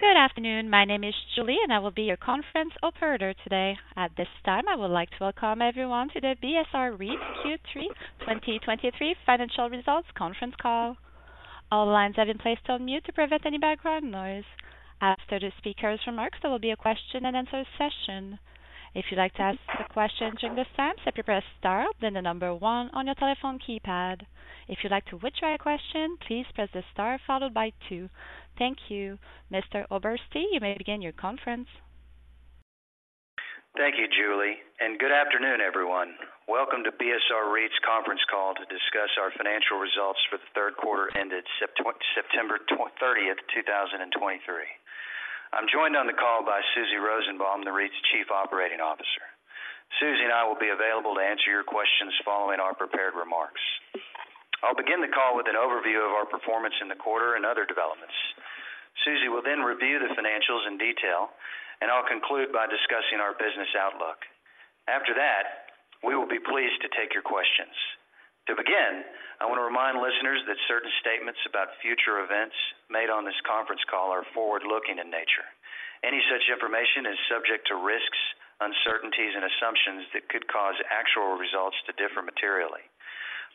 Good afternoon. My name is Julie, and I will be your conference operator today. At this time, I would like to welcome everyone to the BSR REIT Q3 2023 Financial Results conference call. All lines have been placed on mute to prevent any background noise. After the speaker's remarks, there will be a question-and-answer session. If you'd like to ask a question during this time, simply press star, then the number one on your telephone keypad. If you'd like to withdraw your question, please press the star followed by two. Thank you. Mr. Oberste, you may begin your conference. Thank you, Julie, and good afternoon, everyone. Welcome to BSR REIT's conference call to discuss our financial results for the third quarter ended September 30, 2023. I'm joined on the call by Susie Rosenbaum, the REIT's Chief Operating Officer. Susie and I will be available to answer your questions following our prepared remarks. I'll begin the call with an overview of our performance in the quarter and other developments. Susie will then review the financials in detail, and I'll conclude by discussing our business outlook. After that, we will be pleased to take your questions. To begin, I want to remind listeners that certain statements about future events made on this conference call are forward-looking in nature. Any such information is subject to risks, uncertainties, and assumptions that could cause actual results to differ materially.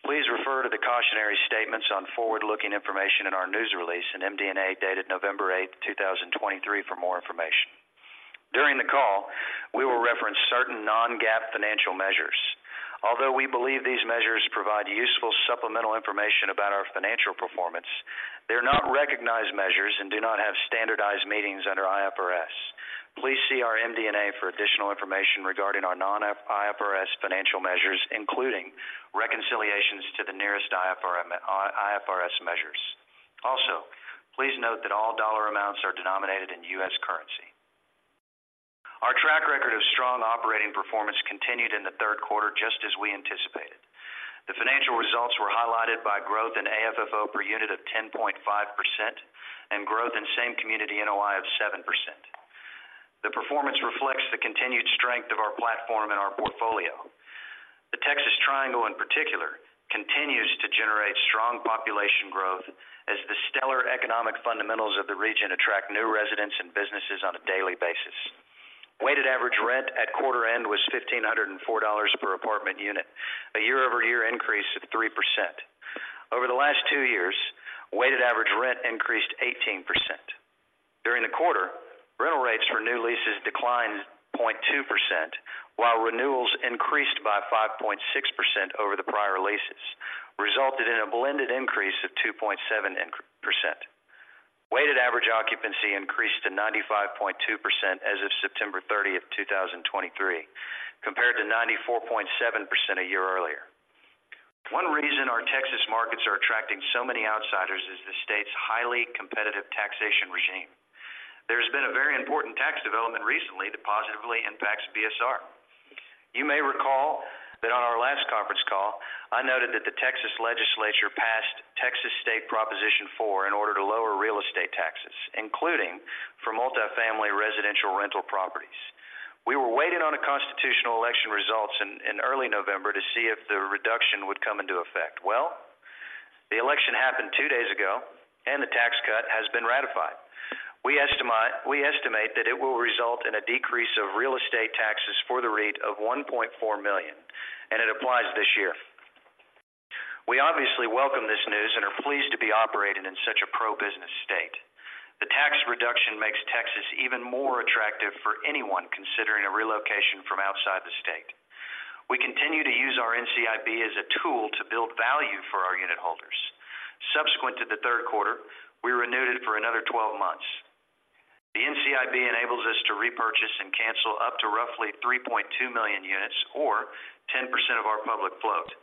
Please refer to the cautionary statements on forward-looking information in our news release, and MD&A, dated November 8, 2023, for more information. During the call, we will reference certain non-GAAP financial measures. Although we believe these measures provide useful supplemental information about our financial performance, they are not recognized measures and do not have standardized meanings under IFRS. Please see our MD&A for additional information regarding our non-IFRS financial measures, including reconciliations to the nearest IFRS measures. Also, please note that all dollar amounts are denominated in U.S. currency. Our track record of strong operating performance continued in the third quarter, just as we anticipated. The financial results were highlighted by growth in AFFO per unit of 10.5% and growth in same community NOI of 7%. The performance reflects the continued strength of our platform and our portfolio. The Texas Triangle, in particular, continues to generate strong population growth as the stellar economic fundamentals of the region attract new residents and businesses on a daily basis. Weighted average rent at quarter end was $1,504 per apartment unit, a year-over-year increase of 3%. Over the last two years, weighted average rent increased 18%. During the quarter, rental rates for new leases declined 0.2%, while renewals increased by 5.6% over the prior leases, resulted in a blended increase of 2.7%. Weighted average occupancy increased to 95.2% as of September 30, 2023, compared to 94.7% a year earlier. One reason our Texas markets are attracting so many outsiders is the state's highly competitive taxation regime. There's been a very important tax development recently that positively impacts BSR. You may recall that on our last conference call, I noted that the Texas Legislature passed Texas State Proposition 4 in order to lower real estate taxes, including for multifamily residential rental properties. We were waiting on the constitutional election results in early November to see if the reduction would come into effect. Well, the election happened two days ago and the tax cut has been ratified. We estimate that it will result in a decrease of real estate taxes for the REIT of $1.4 million, and it applies this year. We obviously welcome this news and are pleased to be operating in such a pro-business state. The tax reduction makes Texas even more attractive for anyone considering a relocation from outside the state. We continue to use our NCIB as a tool to build value for our unitholders. Subsequent to the third quarter, we renewed it for another 12 months. The NCIB enables us to repurchase and cancel up to roughly 3.2 million units, or 10% of our public float.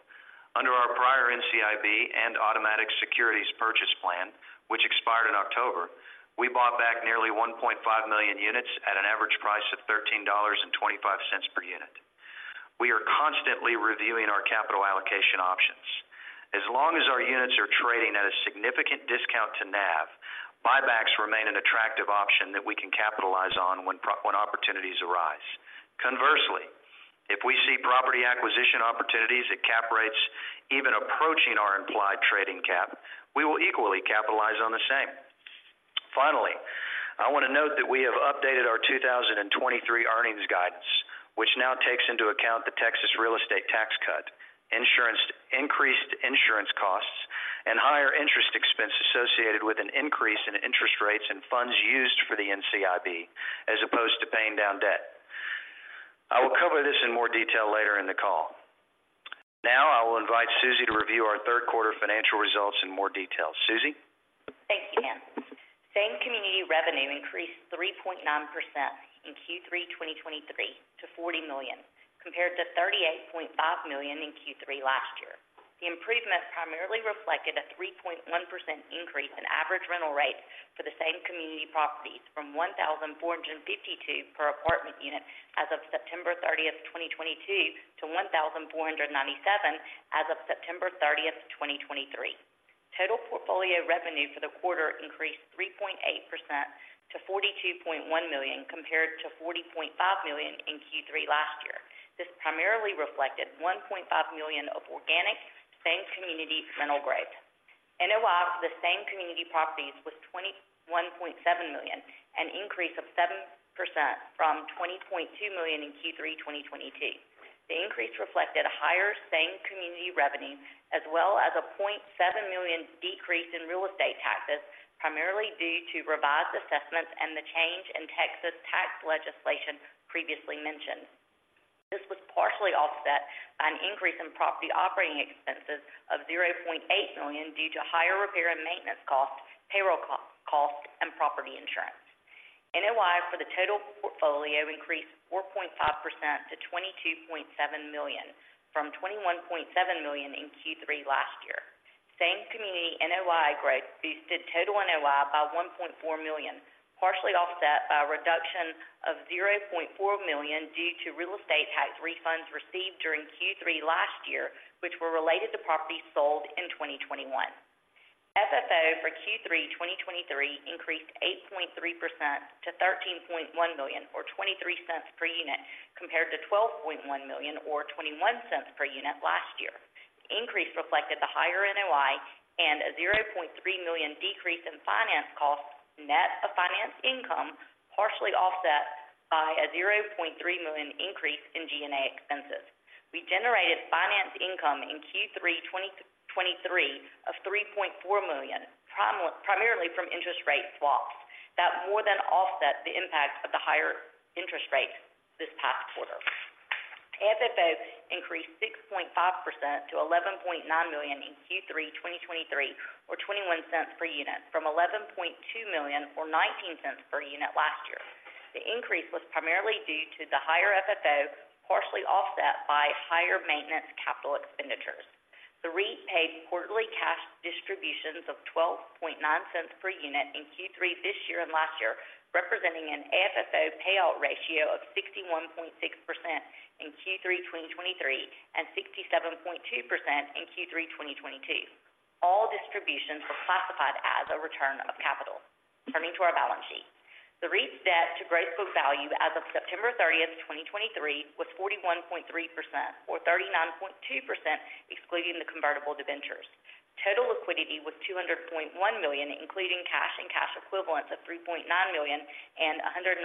Under our prior NCIB and Automatic Securities Purchase Plan, which expired in October, we bought back nearly 1.5 million units at an average price of $13.25 per unit. We are constantly reviewing our capital allocation options. As long as our units are trading at a significant discount to NAV, buybacks remain an attractive option that we can capitalize on when opportunities arise. Conversely, if we see property acquisition opportunities at cap rates even approaching our implied trading cap, we will equally capitalize on the same. Finally, I want to note that we have updated our 2023 earnings guidance, which now takes into account the Texas real estate tax cut, insurance... increased insurance costs, and higher interest expenses associated with an increase in interest rates and funds used for the NCIB, as opposed to paying down debt. I will cover this in more detail later in the call. Now, I will invite Susie to review our third quarter financial results in more detail. Susie? Thank you, Dan. Same-community revenue increased 3.9% in Q3 2023 to $40 million, compared to $38.5 million in Q3 last year. The improvement primarily reflected a 3.1% increase in average rental rates for the same community properties from $1,452 per apartment unit as of September 30, 2022, to $1,497 as of September 30, 2023. Total portfolio revenue for the quarter increased 3.8% to $42.1 million, compared to $40.5 million in Q3 last year. This primarily reflected $1.5 million of organic same-community rental growth. ...NOI of the same community properties was $21.7 million, an increase of 7% from $20.2 million in Q3 2022. The increase reflected a higher same-community revenue, as well as a $0.7 million decrease in real estate taxes, primarily due to revised assessments and the change in Texas tax legislation previously mentioned. This was partially offset by an increase in property operating expenses of $0.8 million due to higher repair and maintenance costs, payroll costs, and property insurance. NOI for the total portfolio increased 4.5% to $22.7 million, from $21.7 million in Q3 last year. Same community NOI growth boosted total NOI by $1.4 million, partially offset by a reduction of $0.4 million due to real estate tax refunds received during Q3 last year, which were related to properties sold in 2021. FFO for Q3 2023 increased 8.3% to $13.1 million, or $0.23 per unit, compared to $12.1 million or $0.21 per unit last year. The increase reflected the higher NOI and a $0.3 million decrease in finance costs, net of finance income, partially offset by a $0.3 million increase in G&A expenses. We generated finance income in Q3 2023 of $3.4 million, primarily from interest rate swaps. That more than offset the impact of the higher interest rates this past quarter. FFO increased 6.5% to $11.9 million in Q3 2023, or $0.21 per unit, from $11.2 million or $0.19 per unit last year. The increase was primarily due to the higher FFO, partially offset by higher maintenance capital expenditures. The REIT paid quarterly cash distributions of $0.129 per unit in Q3 this year and last year, representing an FFO payout ratio of 61.6% in Q3 2023 and 67.2% in Q3 2022. All distributions were classified as a return of capital. Turning to our balance sheet. The REIT's debt to gross book value as of September 30, 2023, was 41.3% or 39.2%, excluding the convertible debentures. Total liquidity was $200.1 million, including cash and cash equivalents of $3.9 million and $196.2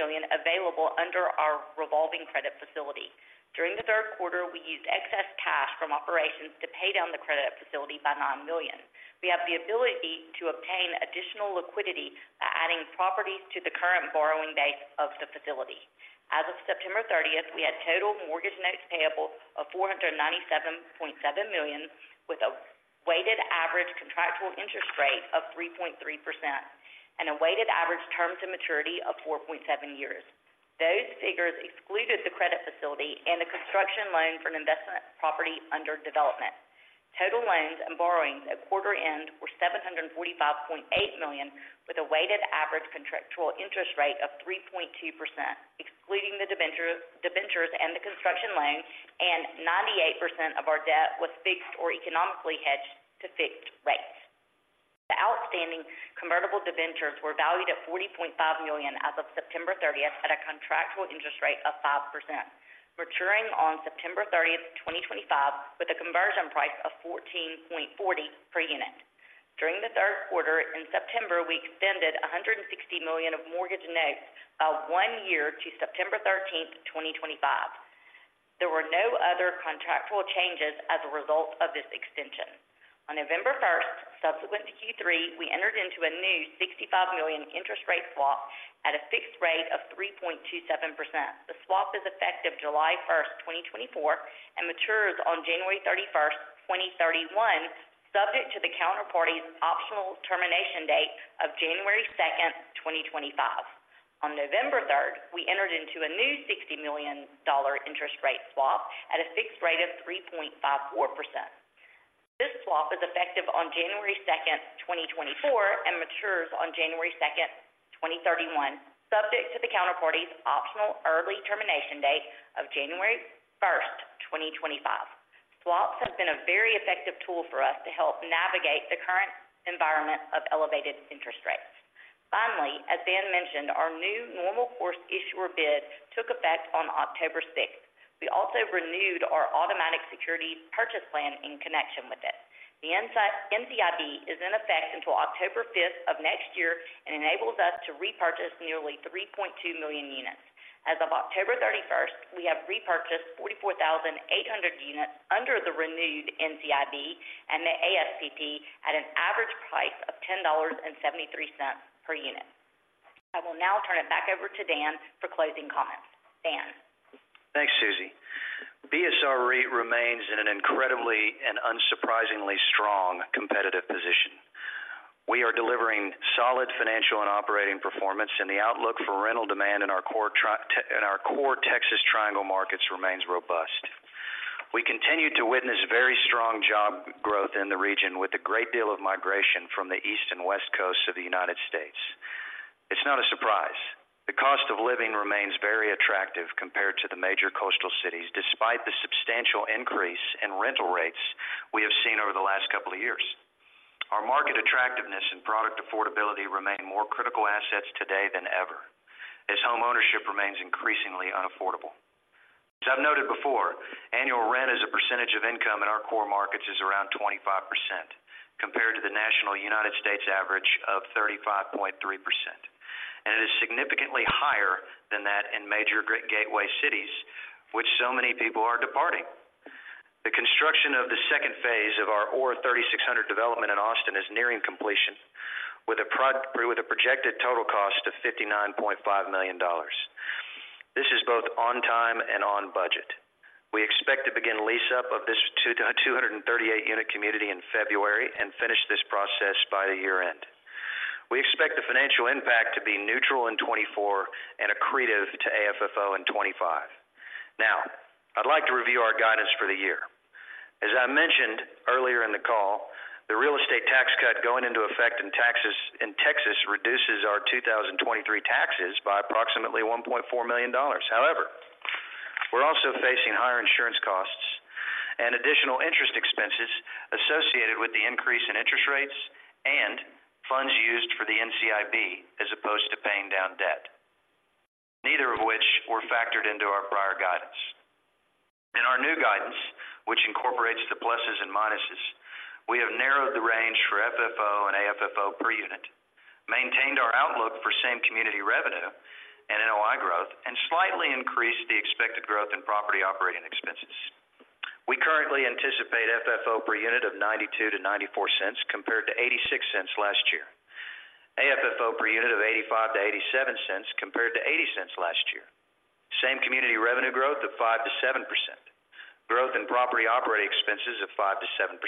million available under our revolving credit facility. During the third quarter, we used excess cash from operations to pay down the credit facility by $9 million. We have the ability to obtain additional liquidity by adding properties to the current borrowing base of the facility. As of September 30, we had total mortgage notes payable of $497.7 million, with a weighted average contractual interest rate of 3.3% and a weighted average term to maturity of 4.7 years. Those figures excluded the credit facility and the construction loan for an investment property under development. Total loans and borrowings at quarter end were $745.8 million, with a weighted average contractual interest rate of 3.2%, excluding the debenture, debentures and the construction loan, and 98% of our debt was fixed or economically hedged to fixed rates. The outstanding convertible debentures were valued at $40.5 million as of September 30, at a contractual interest rate of 5%, maturing on September 30, 2025, with a conversion price of $14.40 per unit. During the third quarter in September, we extended $160 million of mortgage notes by one year to September 13, 2025. There were no other contractual changes as a result of this extension. On November 1, subsequent to Q3, we entered into a new $65 million interest rate swap at a fixed rate of 3.27%. The swap is effective July 1, 2024, and matures on January 31, 2031, subject to the counterparty's optional termination date of January 2, 2025. On November 3, we entered into a new $60 million interest rate swap at a fixed rate of 3.54%. This swap is effective on January 2, 2024, and matures on January 2, 2031, subject to the counterparty's optional early termination date of January 1, 2025. Swaps have been a very effective tool for us to help navigate the current environment of elevated interest rates. Finally, as Dan mentioned, our new Normal Course Issuer Bid took effect on October 6. We also renewed our Automatic Security Purchase Plan in connection with it. The NCIB is in effect until October 5 of next year and enables us to repurchase nearly 3.2 million units. As of October 31, we have repurchased 44,800 units under the renewed NCIB and the ASPP at an average price of $10.73 per unit. I will now turn it back over to Dan for closing comments. Dan? Thanks, Susie. BSR REIT remains in an incredibly and unsurprisingly strong competitive position. We are delivering solid financial and operating performance, and the outlook for rental demand in our core Texas Triangle markets remains robust. We continue to witness very strong job growth in the region, with a great deal of migration from the East and West Coasts of the United States. It's not a surprise. The cost of living remains very attractive compared to the major coastal cities, despite the substantial increase in rental rates we have seen over the last couple of years. Our market attractiveness and product affordability remain more critical assets today than ever, as homeownership remains increasingly unaffordable. As I've noted before, annual rent as a percentage of income in our core markets is around 25%, compared to the national United States average of 35.3%, and it is significantly higher than that in major great gateway cities, which so many people are departing. The construction of the second phase of our Aura 36Hundred development in Austin is nearing completion, with a projected total cost of $59.5 million. This is both on time and on budget. We expect to begin lease up of this 238-unit community in February and finish this process by the year-end. We expect the financial impact to be neutral in 2024 and accretive to AFFO in 2025. Now, I'd like to review our guidance for the year. As I mentioned earlier in the call, the real estate tax cut going into effect in taxes, in Texas, reduces our 2023 taxes by approximately $1.4 million. However, we're also facing higher insurance costs and additional interest expenses associated with the increase in interest rates and funds used for the NCIB, as opposed to paying down debt, neither of which were factored into our prior guidance. In our new guidance, which incorporates the pluses and minuses, we have narrowed the range for FFO and AFFO per unit, maintained our outlook for same community revenue and NOI growth, and slightly increased the expected growth in property operating expenses. We currently anticipate FFO per unit of $0.92-$0.94, compared to $0.86 last year. AFFO per unit of $0.85-$0.87, compared to $0.80 last year. Same community revenue growth of 5%-7%, growth in property operating expenses of 5%-7%,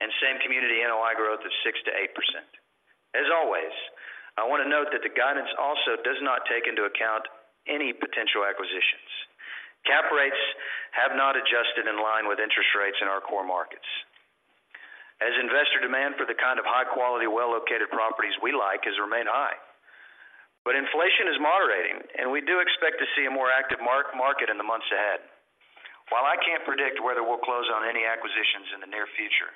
and same community NOI growth of 6%-8%. As always, I want to note that the guidance also does not take into account any potential acquisitions. Cap rates have not adjusted in line with interest rates in our core markets. As investor demand for the kind of high-quality, well-located properties we like has remained high, but inflation is moderating, and we do expect to see a more active market in the months ahead. While I can't predict whether we'll close on any acquisitions in the near future,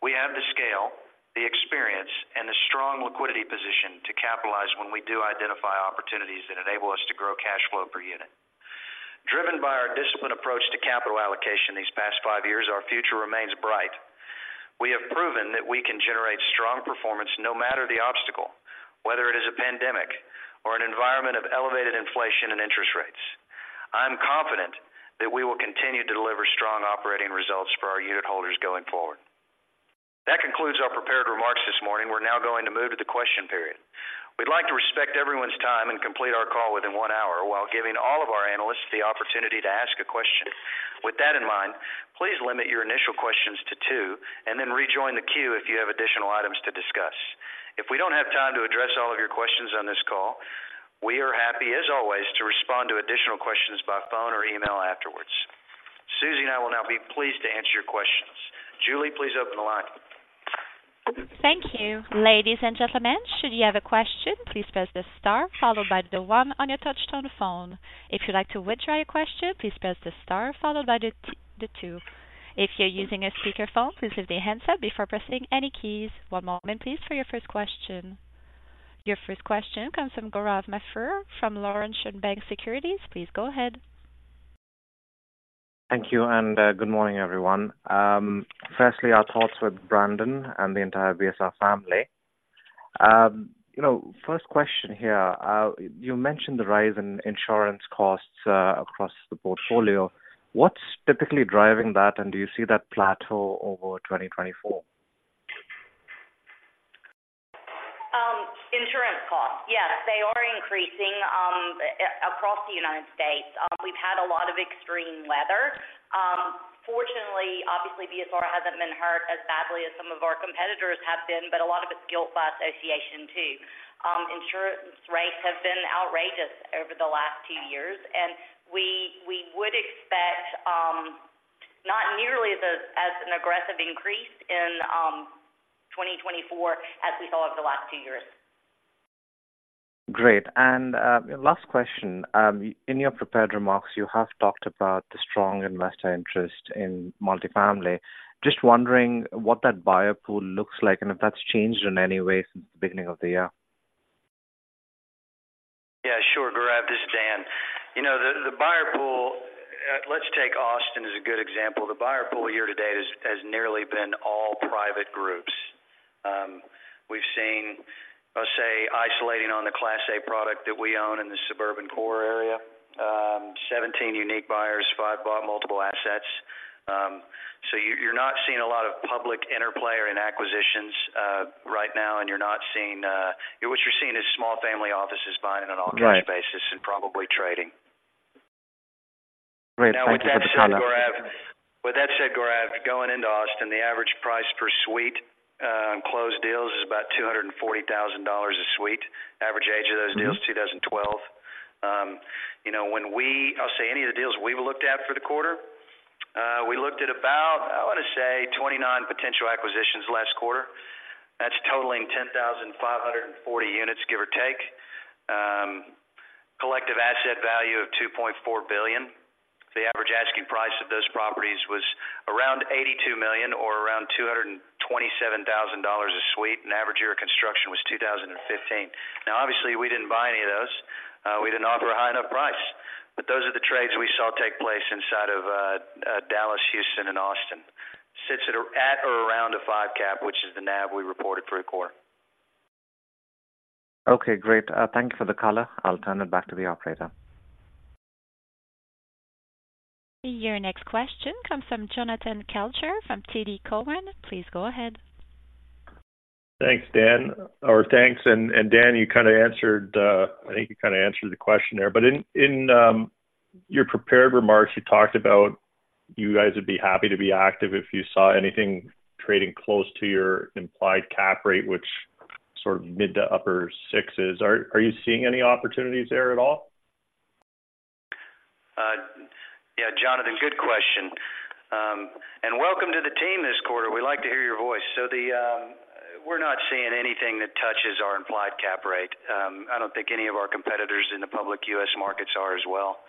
we have the scale, the experience, and the strong liquidity position to capitalize when we do identify opportunities that enable us to grow cash flow per unit. Driven by our disciplined approach to capital allocation these past five years, our future remains bright. We have proven that we can generate strong performance no matter the obstacle, whether it is a pandemic or an environment of elevated inflation and interest rates. I'm confident that we will continue to deliver strong operating results for our unit holders going forward. That concludes our prepared remarks this morning. We're now going to move to the question period. We'd like to respect everyone's time and complete our call within one hour, while giving all of our analysts the opportunity to ask a question. With that in mind, please limit your initial questions to two, and then rejoin the queue if you have additional items to discuss. If we don't have time to address all of your questions on this call, we are happy, as always, to respond to additional questions by phone or email afterwards. Susie and I will now be pleased to answer your questions. Julie, please open the line. Thank you. Ladies and gentlemen, should you have a question, please press the star followed by the one on your touchtone phone. If you'd like to withdraw your question, please press the star followed by the two. If you're using a speakerphone, please lift the handset before pressing any keys. One moment, please, for your first question. Your first question comes from Gaurav Mathur from Laurentian Bank Securities. Please go ahead. Thank you, and, good morning, everyone. Firstly, our thoughts with Brandon and the entire BSR family. You know, first question here. You mentioned the rise in insurance costs across the portfolio. What's typically driving that, and do you see that plateau over 2024? Insurance costs, yes, they are increasing, across the United States. We've had a lot of extreme weather. Fortunately, obviously, BSR hasn't been hurt as badly as some of our competitors have been, but a lot of it's guilt by association, too. Insurance rates have been outrageous over the last two years, and we would expect not nearly as an aggressive increase in 2024 as we saw over the last two years. Great, and last question. In your prepared remarks, you have talked about the strong investor interest in multifamily. Just wondering what that buyer pool looks like and if that's changed in any way since the beginning of the year. Yeah, sure, Gaurav, this is Dan. You know, the buyer pool, let's take Austin as a good example. The buyer pool year to date has nearly been all private groups. We've seen, let's say, isolating on the Class A product that we own in the suburban core area, 17 unique buyers, five bought multiple assets. So you, you're not seeing a lot of public interplay or in acquisitions right now, and you're not seeing... What you're seeing is small family offices buying on an all-cash basis- Right. and probably trading. Great. Thank you for the color. With that said, Gaurav, going into Austin, the average price per suite in closed deals is about $240,000 a suite. Average age of those deals, 2012. You know, I'll say any of the deals we've looked at for the quarter, we looked at about, I want to say, 29 potential acquisitions last quarter. That's totaling 10,540 units, give or take. Collective asset value of $2.4 billion. The average asking price of those properties was around $82 million, or around $227,000 a suite, and average year of construction was 2015. Now, obviously, we didn't buy any of those. We didn't offer a high enough price, but those are the trades we saw take place inside of Dallas, Houston, and Austin... sits at or, at or around a 5 cap, which is the NAV we reported for the quarter. Okay, great. Thank you for the color. I'll turn it back to the operator. Your next question comes from Jonathan Kelcher from TD Cowen. Please go ahead. Thanks, Dan, or thanks. And Dan, you kind of answered, I think you kind of answered the question there, but in your prepared remarks, you talked about you guys would be happy to be active if you saw anything trading close to your implied cap rate, which sort of mid- to upper-sixes. Are you seeing any opportunities there at all? Yeah, Jonathan, good question. And welcome to the team this quarter. We like to hear your voice. So the, we're not seeing anything that touches our implied cap rate. I don't think any of our competitors in the public U.S. markets are as well,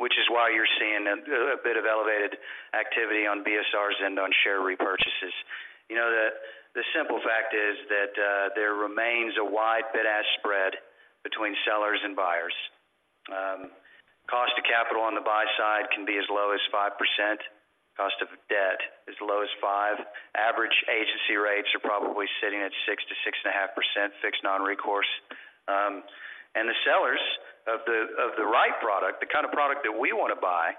which is why you're seeing a bit of elevated activity on BSRs and on share repurchases. You know, the simple fact is that there remains a wide bid-ask spread between sellers and buyers. Cost of capital on the buy side can be as low as 5%. Cost of debt as low as 5. Average agency rates are probably sitting at 6%-6.5%, fixed non-recourse. And the sellers of the right product, the kind of product that we want to buy,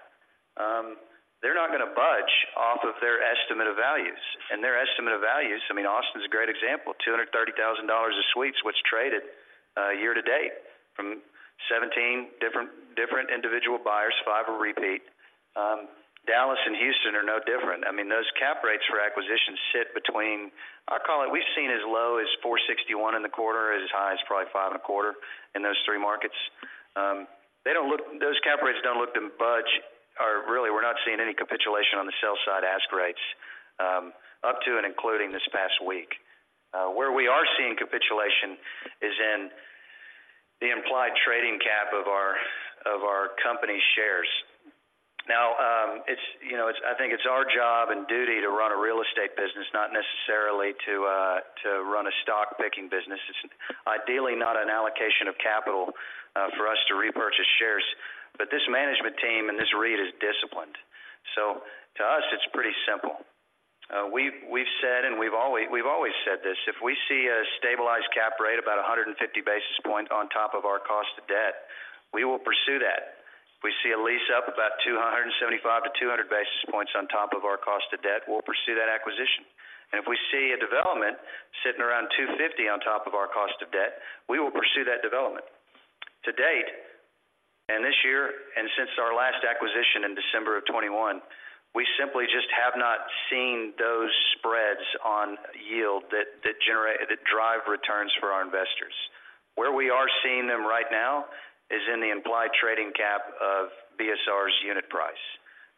they're not going to budge off of their estimate of values. And their estimate of values, I mean, Austin is a great example, $230,000 suites was traded, year to date from 17 different individual buyers, 5 are repeat. Dallas and Houston are no different. I mean, those cap rates for acquisitions sit between. I call it, we've seen as low as 4.61 in the quarter, as high as probably 5.25 in those three markets. They don't look, those cap rates don't look to budge, or really, we're not seeing any capitulation on the sell side ask rates, up to and including this past week. Where we are seeing capitulation is in the implied trading cap of our company's shares. Now, it's, you know, it's I think it's our job and duty to run a real estate business, not necessarily to run a stock-picking business. It's ideally not an allocation of capital for us to repurchase shares, but this management team and this REIT is disciplined. So to us, it's pretty simple. We've said, and we've always said this, if we see a stabilized cap rate about 150 basis point on top of our cost of debt, we will pursue that. If we see a lease-up about 275 to 200 basis points on top of our cost of debt, we'll pursue that acquisition. If we see a development sitting around 250 on top of our cost of debt, we will pursue that development. To date, and this year, and since our last acquisition in December 2021, we simply just have not seen those spreads on yield that generate... that drive returns for our investors. Where we are seeing them right now is in the implied trading cap of BSR's unit price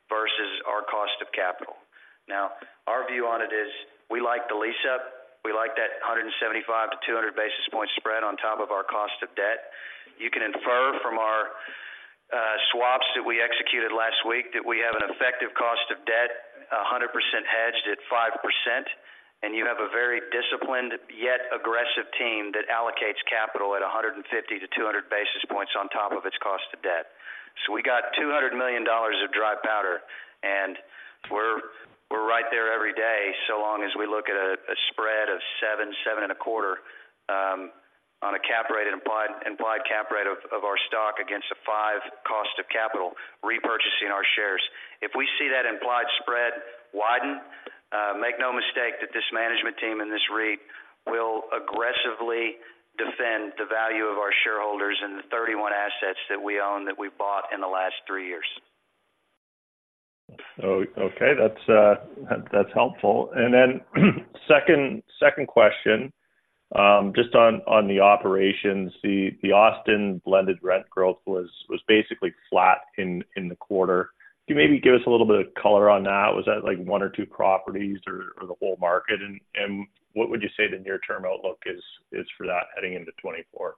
versus our cost of capital. Now, our view on it is we like the lease-up. We like that 175-200 basis point spread on top of our cost of debt. You can infer from our swaps that we executed last week, that we have an effective cost of debt, 100% hedged at 5%, and you have a very disciplined, yet aggressive team that allocates capital at 150-200 basis points on top of its cost of debt. So we got $200 million of dry powder, and we're, we're right there every day, so long as we look at a spread of 7-7.25 on a cap rate, implied cap rate of our stock against a 5% cost of capital, repurchasing our shares. If we see that implied spread widen, make no mistake that this management team and this REIT will aggressively defend the value of our shareholders and the 31 assets that we own, that we've bought in the last 3 years. Oh, okay. That's helpful. And then, second question. Just on the operations, the Austin blended rent growth was basically flat in the quarter. Can you maybe give us a little bit of color on that? Was that like one or two properties or the whole market? And what would you say the near-term outlook is for that heading into 2024?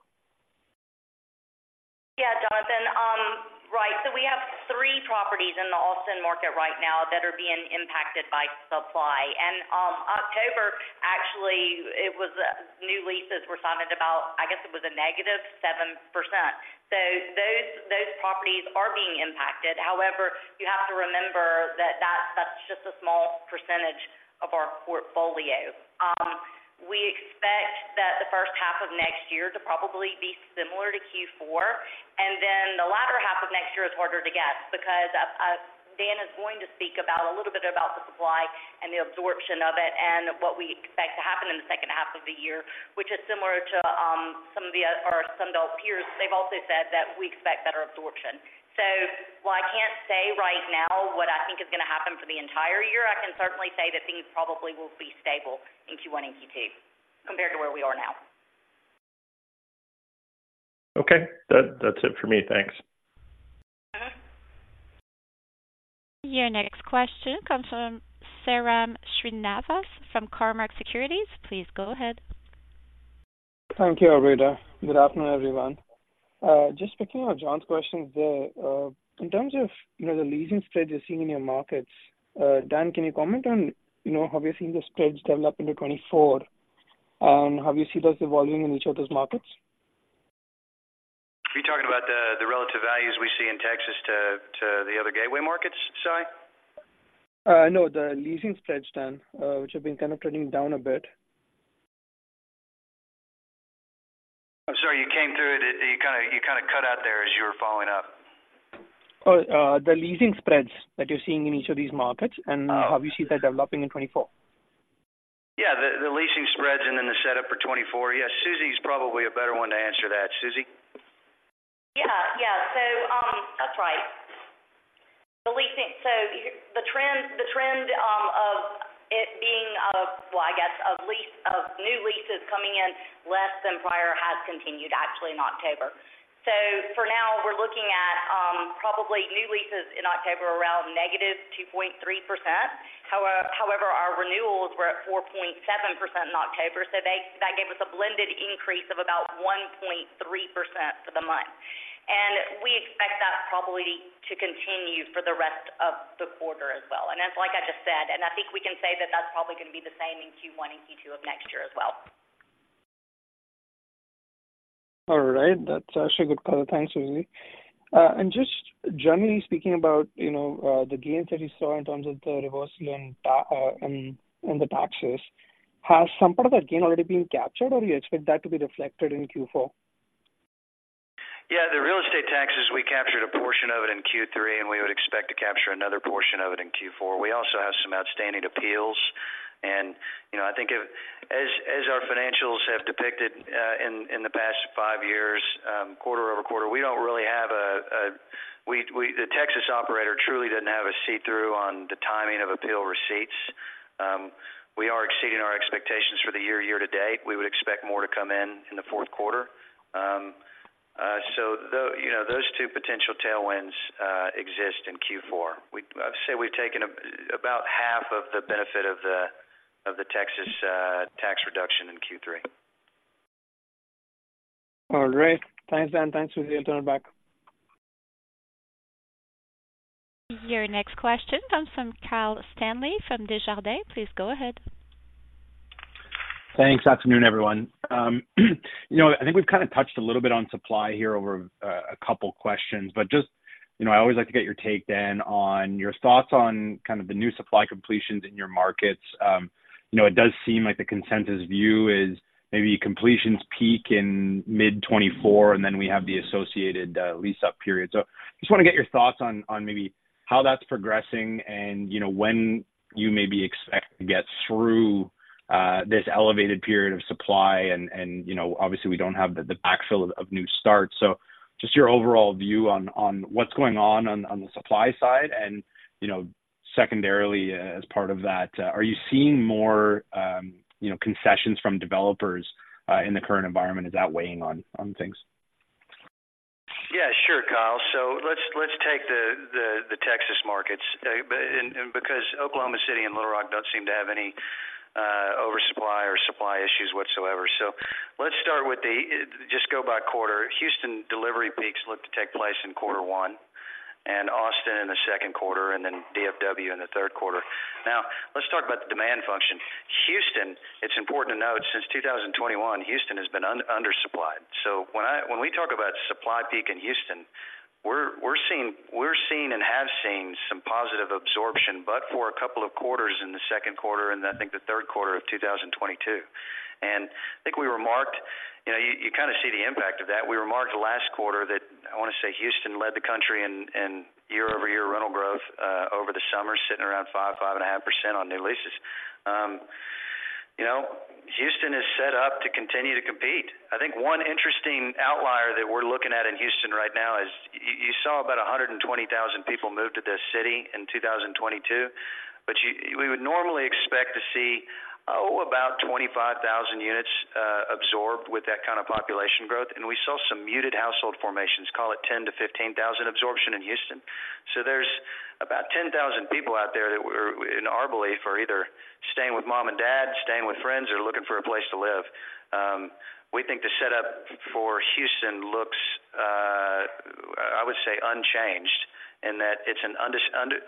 Yeah, Jonathan. Right. So we have three properties in the Austin market right now that are being impacted by supply. And October, actually, it was new leases were signed at about, I guess it was a negative 7%. So those properties are being impacted. However, you have to remember that that's just a small percentage of our portfolio. We expect that the first half of next year to probably be similar to Q4, and then the latter half of next year is harder to guess because Dan is going to speak about a little bit about the supply and the absorption of it and what we expect to happen in the second half of the year, which is similar to some of our peers. They've also said that we expect better absorption. While I can't say right now what I think is going to happen for the entire year, I can certainly say that things probably will be stable in Q1 and Q2 compared to where we are now. Okay. That's it for me. Thanks. Your next question comes from Sairam Srinivas from Cormark Securities. Please go ahead. Thank you, operator. Good afternoon, everyone. Just picking on John's questions there, in terms of, you know, the leasing spreads you're seeing in your markets, Dan, can you comment on, you know, have you seen the spreads develop into 2024? Have you seen those evolving in each of those markets? About the relative values we see in Texas to the other gateway markets, Sai? No, the leasing spreads, Dan, which have been kind of trending down a bit. I'm sorry, you came through it, you kind of, you kind of cut out there as you were following up. Oh, the leasing spreads that you're seeing in each of these markets, and how you see that developing in 2024. Yeah, the leasing spreads and then the setup for 2024. Yes, Susie's probably a better one to answer that. Susie? Yeah. Yeah. So, that's right. The leasing, so the trend of, well, I guess, leases, new leases coming in less than prior has continued actually in October. So for now, we're looking at probably new leases in October around -2.3%. However, our renewals were at 4.7% in October, so that gave us a blended increase of about 1.3% for the month. And we expect that probably to continue for the rest of the quarter as well. And that's like I just said, and I think we can say that that's probably going to be the same in Q1 and Q2 of next year as well. All right. That's actually a good color. Thanks, Susie. And just generally speaking about, you know, the gains that you saw in terms of the reversal in the taxes, has some part of that gain already been captured, or do you expect that to be reflected in Q4? Yeah, the real estate taxes, we captured a portion of it in Q3, and we would expect to capture another portion of it in Q4. We also have some outstanding appeals, and, you know, I think as our financials have depicted in the past five years, quarter-over-quarter, we don't really have the Texas operator truly doesn't have a see-through on the timing of appeal receipts. We are exceeding our expectations for the year, year-to-date. We would expect more to come in in the fourth quarter. So you know, those two potential tailwinds exist in Q4. I'd say we've taken about half of the benefit of the Texas tax reduction in Q3. All right. Thanks, Dan. Thanks, Susie. I'll turn it back. Your next question comes from Kyle Stanley, from Desjardins. Please go ahead. Thanks. Afternoon, everyone. You know, I think we've kind of touched a little bit on supply here over a couple questions, but just, you know, I always like to get your take then on your thoughts on kind of the new supply completions in your markets. You know, it does seem like the consensus view is maybe completions peak in mid-2024, and then we have the associated, lease-up period. So just want to get your thoughts on, on maybe how that's progressing and, you know, when you maybe expect to get through, this elevated period of supply and, and, you know, obviously, we don't have the backfill of, new starts. So just your overall view on what's going on on the supply side, and, you know, secondarily, as part of that, are you seeing more, you know, concessions from developers in the current environment? Is that weighing on things? Yeah, sure, Kyle. So let's take the Texas markets, but and because Oklahoma City and Little Rock don't seem to have any oversupply or supply issues whatsoever. So let's start with just go by quarter. Houston delivery peaks look to take place in quarter one, and Austin in the second quarter, and then DFW in the third quarter. Now, let's talk about the demand function. Houston, it's important to note, since 2021, Houston has been undersupplied. So when we talk about supply peak in Houston, we're seeing and have seen some positive absorption, but for a couple of quarters in the second quarter, and I think the third quarter of 2022. And I think we were marked. You know, you kind of see the impact of that. We were marked last quarter that, I want to say, Houston led the country in year-over-year rental growth over the summer, sitting around 5%-5.5% on new leases. You know, Houston is set up to continue to compete. I think one interesting outlier that we're looking at in Houston right now is you saw about 120,000 people move to this city in 2022, but we would normally expect to see, oh, about 25,000 units absorbed with that kind of population growth, and we saw some muted household formations, call it 10,000-15,000 absorption in Houston. So there's about 10,000 people out there that we're in our belief, are either staying with mom and dad, staying with friends, or looking for a place to live. We think the setup for Houston looks, I would say, unchanged, in that it's an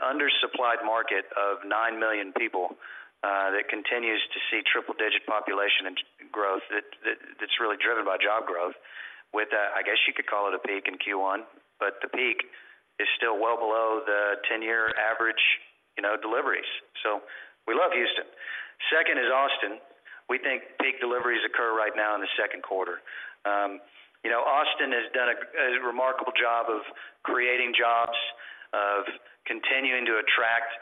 undersupplied market of nine million people, that continues to see triple-digit population and growth, that's really driven by job growth, with, I guess you could call it a peak in Q1, but the peak is still well below the 10-year average, you know, deliveries. So we love Houston. Second is Austin. We think peak deliveries occur right now in the second quarter. You know, Austin has done a remarkable job of creating jobs, of continuing to attract,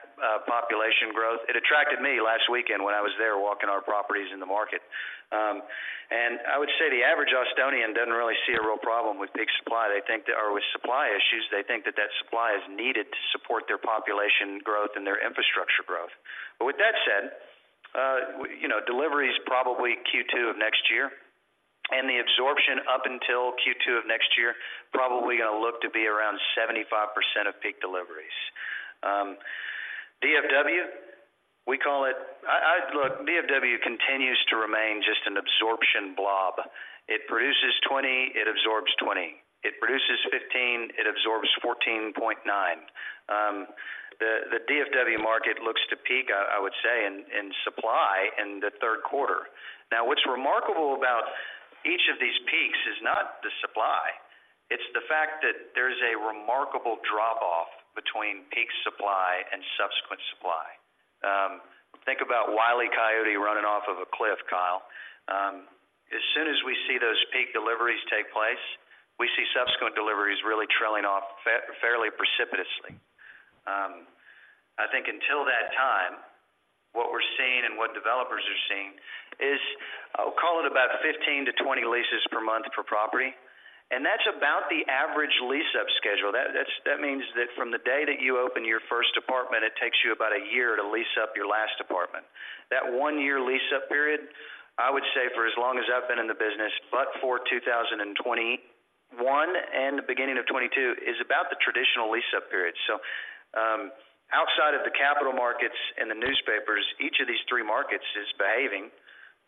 population growth. It attracted me last weekend when I was there walking our properties in the market. And I would say, the average Austonian doesn't really see a real problem with peak supply. They think or with supply issues, they think that that supply is needed to support their population growth and their infrastructure growth. But with that said, you know, delivery is probably Q2 of next year, and the absorption up until Q2 of next year, probably going to look to be around 75% of peak deliveries. DFW, we call it... look, DFW continues to remain just an absorption blob. It produces 20, it absorbs 20. It produces 15, it absorbs 14.9.... The DFW market looks to peak, I would say, in supply in the third quarter. Now, what's remarkable about each of these peaks is not the supply. It's the fact that there's a remarkable drop-off between peak supply and subsequent supply. Think about Wile E. Coyote running off of a cliff, Kyle. As soon as we see those peak deliveries take place, we see subsequent deliveries really trailing off fairly precipitously. I think until that time, what we're seeing and what developers are seeing is, call it about 15-20 leases per month per property, and that's about the average lease-up schedule. That means that from the day that you open your first apartment, it takes you about a year to lease up your last apartment. That one-year lease-up period, I would say, for as long as I've been in the business, but for 2021 and the beginning of 2022, is about the traditional lease-up period. So, outside of the capital markets and the newspapers, each of these three markets is behaving,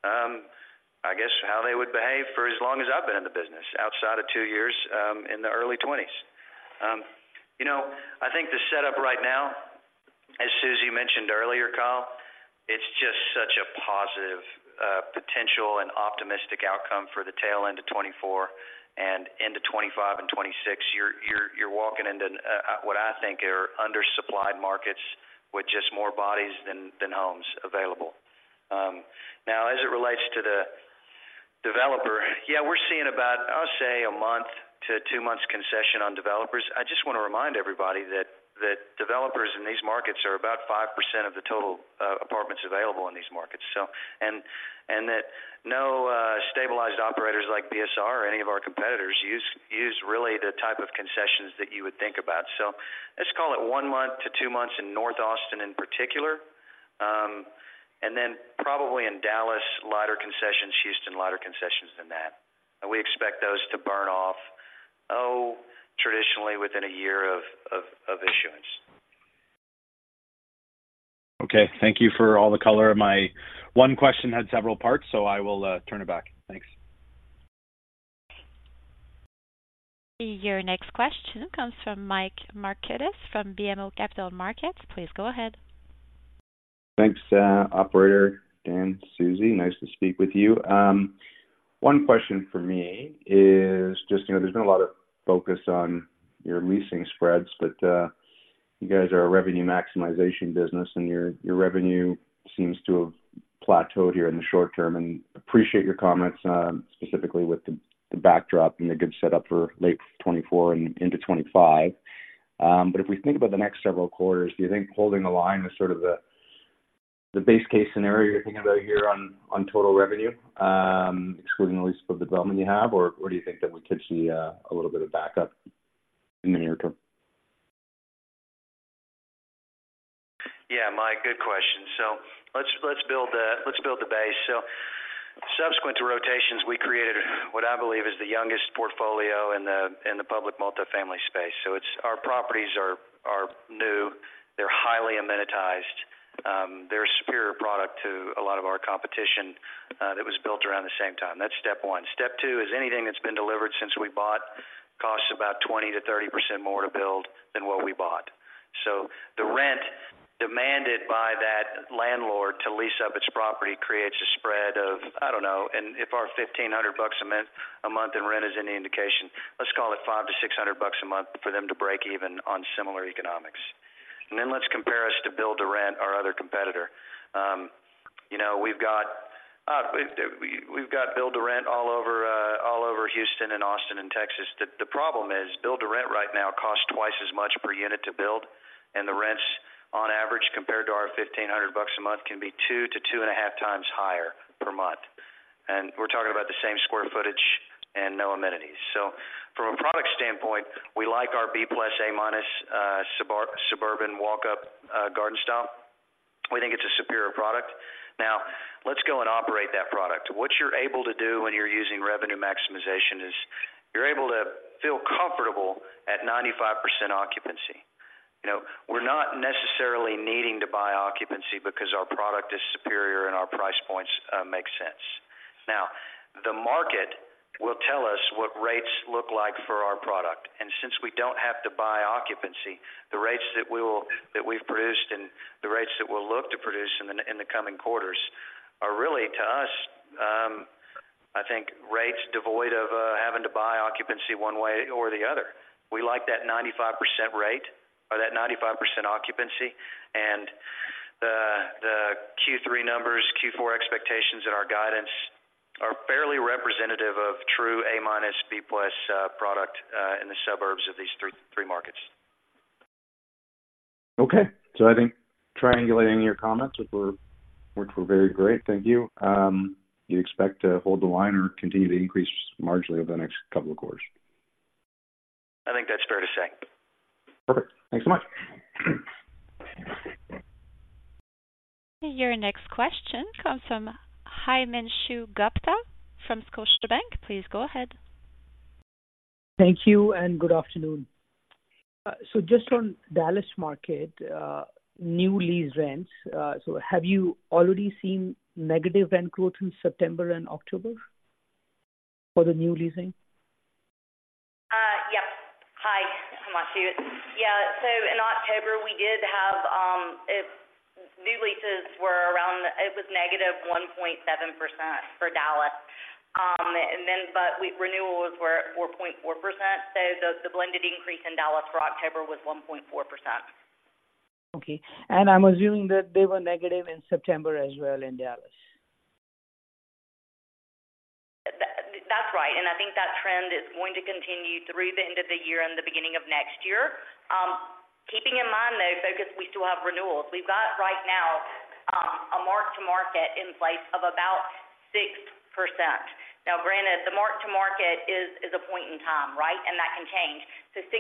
I guess, how they would behave for as long as I've been in the business, outside of two years in the early twenties. You know, I think the setup right now, as Susie mentioned earlier, Kyle, it's just such a positive potential and optimistic outcome for the tail end of 2024 and into 2025 and 2026. You're walking into what I think are undersupplied markets with just more bodies than homes available. Now, as it relates to the developer, yeah, we're seeing about, I'll say, a month to two months concession on developers. I just want to remind everybody that developers in these markets are about 5% of the total apartments available in these markets. So... That no stabilized operators like BSR or any of our competitors use really the type of concessions that you would think about. So let's call it 1-2 months in North Austin, in particular, and then probably in Dallas, lighter concessions, Houston, lighter concessions than that. And we expect those to burn off traditionally within a year of issuance. Okay. Thank you for all the color. My one question had several parts, so I will turn it back. Thanks. Your next question comes from Mike Markidis from BMO Capital Markets. Please go ahead. Thanks, operator. Dan, Susie, nice to speak with you. One question for me is just, you know, there's been a lot of focus on your leasing spreads, but you guys are a revenue maximization business, and your revenue seems to have plateaued here in the short term, and appreciate your comments, specifically with the backdrop and the good set up for late 2024 and into 2025. But if we think about the next several quarters, do you think holding the line is sort of the base case scenario you're thinking about here on total revenue, excluding the lease for development you have, or do you think that we could see a little bit of backup in the near term? Yeah, Mike, good question. So let's build the base. So subsequent to rotations, we created what I believe is the youngest portfolio in the public multifamily space. So it's... Our properties are new, they're highly amenitized, they're a superior product to a lot of our competition that was built around the same time. That's step one. Step two is anything that's been delivered since we bought costs about 20%-30% more to build than what we bought. So the rent demanded by that landlord to lease up its property creates a spread of, I don't know, and if our $1,500 a month in rent is any indication, let's call it $500-$600 a month for them to break even on similar economics. Then let's compare us to build to rent, our other competitor. You know, we've got build to rent all over Houston and Austin and Texas. The problem is, build to rent right now costs twice as much per unit to build, and the rents, on average, compared to our $1,500 a month, can be 2x-2.5x higher per month. And we're talking about the same square footage and no amenities. So from a product standpoint, we like our B plus, A minus suburban walk-up garden style. We think it's a superior product. Now, let's go and operate that product. What you're able to do when you're using revenue maximization is you're able to feel comfortable at 95% occupancy. You know, we're not necessarily needing to buy occupancy because our product is superior and our price points make sense. Now, the market will tell us what rates look like for our product, and since we don't have to buy occupancy, the rates that we've produced and the rates that we'll look to produce in the coming quarters are really, to us, I think rates devoid of having to buy occupancy one way or the other. We like that 95% rate or that 95% occupancy, and the Q3 numbers, Q4 expectations in our guidance are fairly representative of true A minus, B plus product in the suburbs of these three, three markets. Okay. So I think triangulating your comments, which were very great, thank you. You expect to hold the line or continue to increase marginally over the next couple of quarters? I think that's fair to say. Perfect. Thanks so much. Your next question comes from Himanshu Gupta from Scotiabank. Please go ahead. Thank you and good afternoon. So just on Dallas market, new lease rents, so have you already seen negative rent growth in September and October?... for the new leasing? Yep. Hi, I'm on to you. Yeah, so in October, we did have new leases were around... It was negative 1.7% for Dallas. And then renewals were at 4.4%, so the blended increase in Dallas for October was 1.4%. Okay. I'm assuming that they were negative in September as well in Dallas. That, that's right. And I think that trend is going to continue through the end of the year and the beginning of next year. Keeping in mind, though, because we still have renewals. We've got right now, a mark-to-market in place of about 6%. Now, granted, the mark-to-market is, is a point in time, right? And that can change. So 6%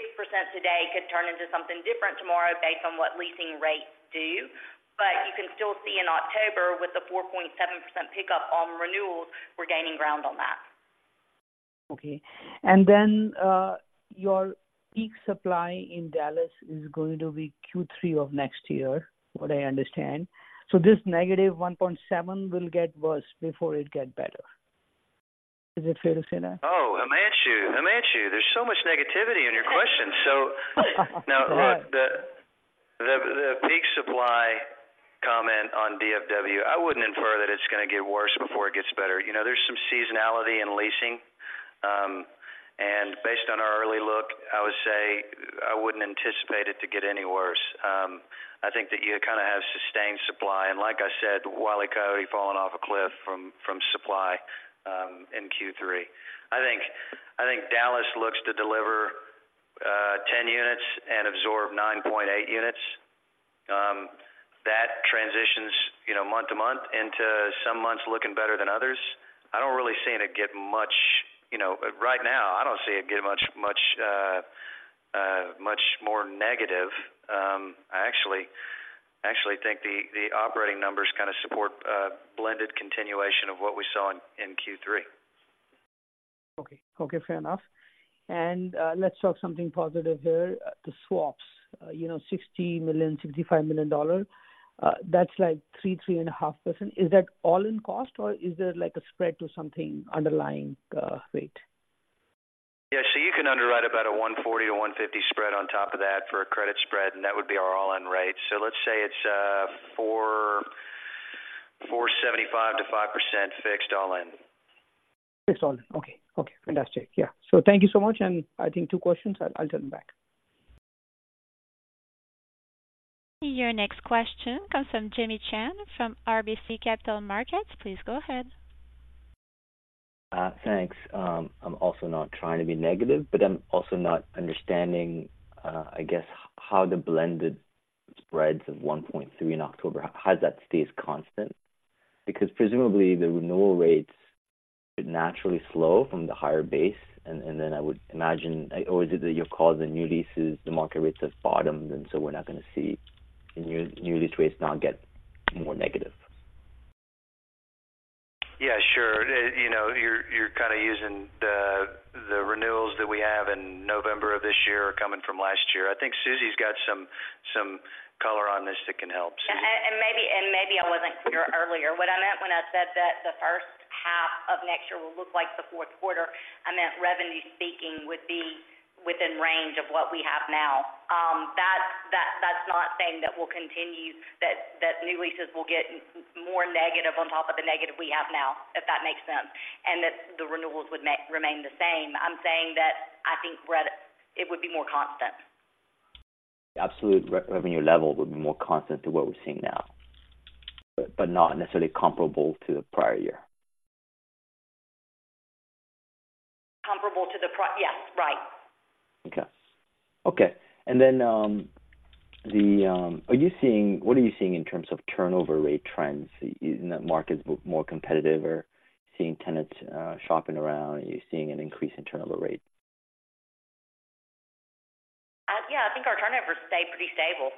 today could turn into something different tomorrow based on what leasing rates do. But you can still see in October, with the 4.7% pickup on renewals, we're gaining ground on that. Okay. And then, your peak supply in Dallas is going to be Q3 of next year, what I understand. So this negative 1.7 will get worse before it get better. Is it fair to say that? Oh, Himanshu, Himanshu, there's so much negativity in your question. So now, look, peak supply comment on DFW, I wouldn't infer that it's going to get worse before it gets better. You know, there's some seasonality in leasing, and based on our early look, I would say I wouldn't anticipate it to get any worse. I think that you kind of have sustained supply, and like I said, Wile E. Coyote falling off a cliff from supply in Q3. I think Dallas looks to deliver 10 units and absorb 9.8 units. That transitions, you know, month to month into some months looking better than others. I don't really see it get much, you know. Right now, I don't see it getting much more negative. I actually think the operating numbers kind of support a blended continuation of what we saw in Q3. Okay. Okay, fair enough. And, let's talk something positive here. The swaps, you know, $60 million-$65 million. That's like 3%-3.5%. Is that all-in cost, or is there like a spread to something underlying rate? Yeah, so you can underwrite about a 140-150 spread on top of that for a credit spread, and that would be our all-in rate. So let's say it's 4.75%-5% fixed, all in. Fixed, all in. Okay. Okay, fantastic. Yeah. Thank you so much, and I think two questions. I'll turn back. Your next question comes from Jimmy Shan, from RBC Capital Markets. Please go ahead. Thanks. I'm also not trying to be negative, but I'm also not understanding, I guess, how the blended spreads of 1.3 in October, how does that stays constant? Because presumably the renewal rates would naturally slow from the higher base, and, and then I would imagine, or is it that you call the new leases, the market rates have bottomed, and so we're not going to see the new, new lease rates now get more negative. Yeah, sure. You know, you're kind of using the renewals that we have in November of this year are coming from last year. I think Susie's got some color on this that can help. Maybe I wasn't clear earlier. What I meant when I said that the first half of next year will look like the fourth quarter, I meant, revenue speaking, would be within range of what we have now. That's not saying that will continue, that new leases will get more negative on top of the negative we have now, if that makes sense, and that the renewals would remain the same. I'm saying that I think it would be more constant. Absolute revenue level would be more constant to what we're seeing now, but not necessarily comparable to the prior year. Comparable to the. Yes, right. Okay. Okay, and then, are you seeing, what are you seeing in terms of turnover rate trends? Isn't that market more competitive or seeing tenants shopping around? Are you seeing an increase in turnover rate? Yeah, I think our turnover stayed pretty stable.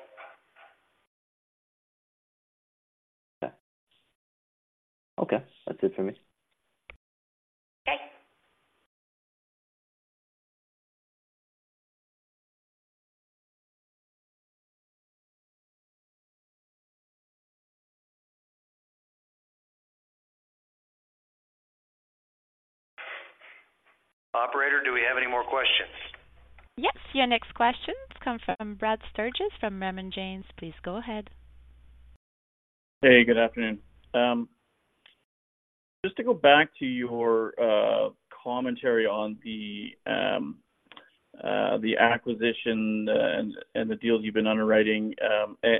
Okay. Okay, that's it for me. Okay. Operator, do we have any more questions? Yes. Your next question comes from Brad Sturges, from Raymond James. Please go ahead. Hey, good afternoon. Just to go back to your commentary on the acquisition and the deals you've been underwriting,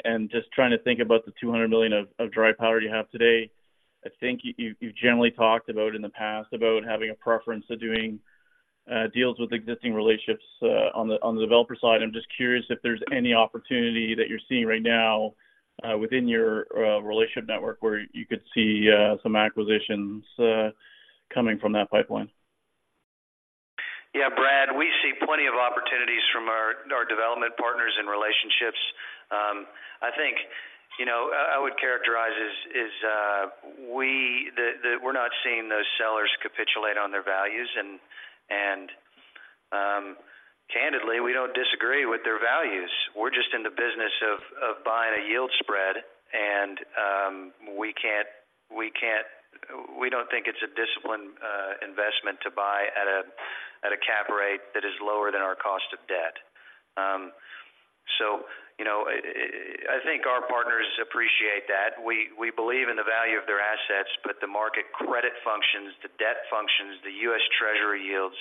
and just trying to think about the $200 million of dry powder you have today. I think you generally talked about in the past about having a preference of doing deals with existing relationships on the developer side. I'm just curious if there's any opportunity that you're seeing right now within your relationship network, where you could see some acquisitions coming from that pipeline. Yeah, Brad, we see plenty of opportunities from our development partners and relationships. I think, you know, I would characterize that we're not seeing those sellers capitulate on their values. Candidly, we don't disagree with their values. We're just in the business of buying a yield spread, and we don't think it's a disciplined investment to buy at a cap rate that is lower than our cost of debt. So, you know, I think our partners appreciate that. We believe in the value of their assets, but the market credit functions, the debt functions, the U.S. Treasury yields,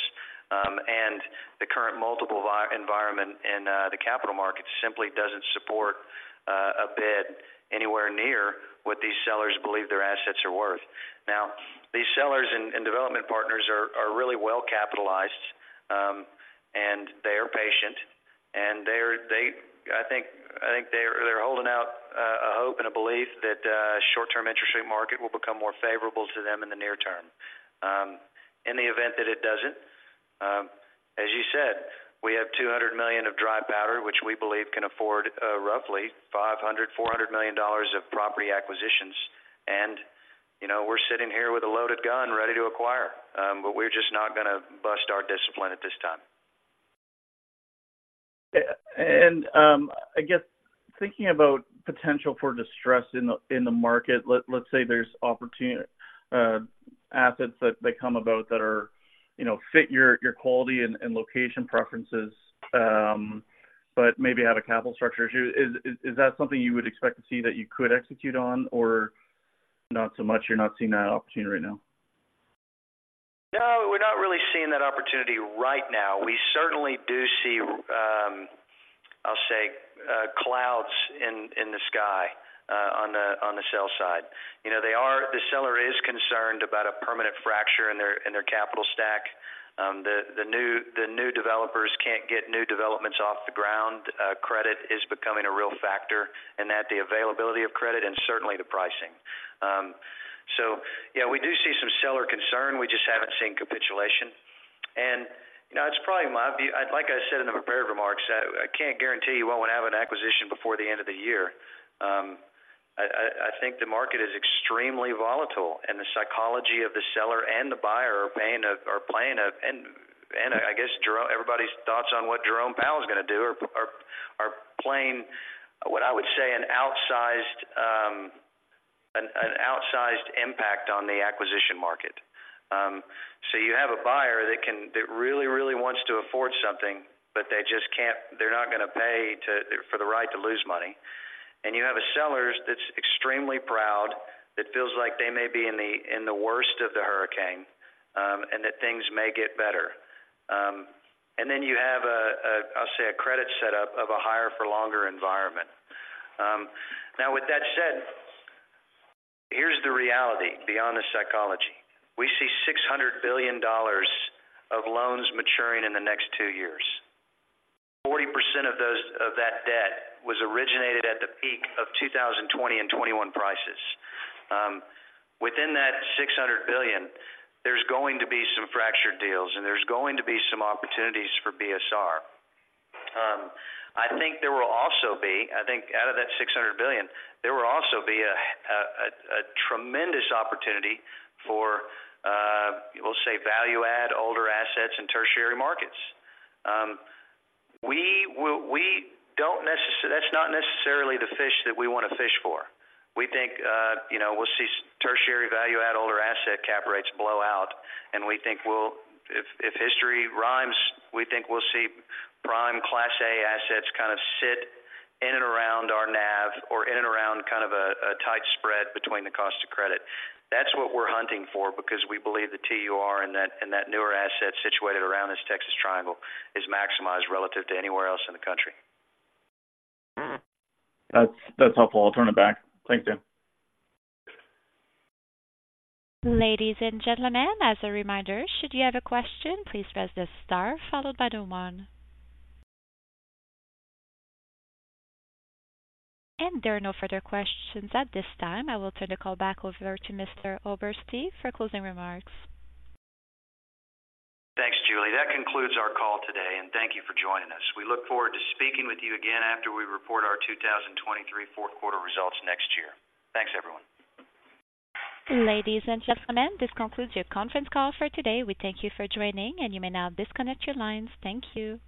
and the current multiple-via environment in the capital markets simply doesn't support a bid anywhere near what these sellers believe their assets are worth. Now, these sellers and development partners are really well capitalized, and they are patient, and they're holding out a hope and a belief that short-term interest rate market will become more favorable to them in the near term. In the event that it doesn't, as you said, we have $200 million of dry powder, which we believe can afford roughly $400 million-$500 million of property acquisitions. You know, we're sitting here with a loaded gun ready to acquire, but we're just not gonna bust our discipline at this time. I guess thinking about potential for distress in the market, let's say there's opportunity, assets that come about that are, you know, fit your quality and location preferences, but maybe have a capital structure issue. Is that something you would expect to see that you could execute on or not so much, you're not seeing that opportunity right now? No, we're not really seeing that opportunity right now. We certainly do see, I'll say, clouds in the sky, on the sell side. You know, they are the seller is concerned about a permanent fracture in their capital stack. The new developers can't get new developments off the ground. Credit is becoming a real factor, and that the availability of credit and certainly the pricing. So yeah, we do see some seller concern. We just haven't seen capitulation. And, you know, it's probably my view, like I said, in the prepared remarks, I think the market is extremely volatile, and the psychology of the seller and the buyer are playing a... I guess, Jerome, everybody's thoughts on what Jerome Powell is gonna do are playing what I would say an outsized impact on the acquisition market. So you have a buyer that really wants to afford something, but they just can't... They're not gonna pay for the right to lose money. And you have a seller that's extremely proud, that feels like they may be in the worst of the hurricane, and that things may get better. And then you have a, I'll say, a credit set up of a higher for longer environment. Now, with that said, here's the reality beyond the psychology: We see $600 billion of loans maturing in the next two years. 40% of those, of that debt was originated at the peak of 2020 and 2021 prices. Within that $600 billion, there's going to be some fractured deals, and there's going to be some opportunities for BSR. I think there will also be, I think out of that $600 billion, there will also be a tremendous opportunity for, we'll say, value add, older assets and tertiary markets. We don't necessarily... That's not necessarily the fish that we want to fish for. We think, you know, we'll see tertiary value add, older asset cap rates blow out, and we think we'll... If history rhymes, we think we'll see prime Class A assets kind of sit in and around our NAV or in and around kind of a tight spread between the cost of credit. That's what we're hunting for because we believe the TUR in that newer asset situated around this Texas Triangle is maximized relative to anywhere else in the country. That's helpful. I'll turn it back. Thanks, Dan. Ladies and gentlemen, as a reminder, should you have a question, please press star followed by the one. There are no further questions at this time. I will turn the call back over to Mr. Oberste for closing remarks. Thanks, Julie. That concludes our call today, and thank you for joining us. We look forward to speaking with you again after we report our 2023 fourth quarter results next year. Thanks, everyone. Ladies and gentlemen, this concludes your conference call for today. We thank you for joining, and you may now disconnect your lines. Thank you.